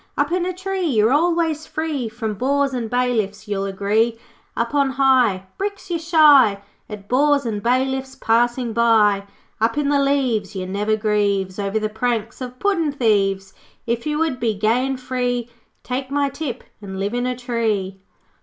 'Up in a tree You're always free From bores and bailiffs, You'll agree. 'Up on high Bricks you shy At bores and bailiffs Passing by. 'Up in the leaves One never grieves Over the pranks Of puddin' thieves. 'If you would be Gay and free, Take my tip and Live in a tree.'